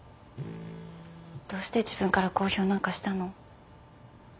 どうして自分から公表なんかしたの？